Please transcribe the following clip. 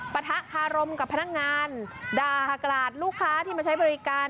ปะทะคารมกับพนักงานด่าหากราศลูกค้าที่มาใช้บริการ